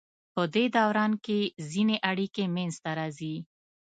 پدې دوران کې ځینې اړیکې منځ ته راځي.